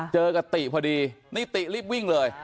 เจอกับติตรค่ะนะติริบวิ่งเลย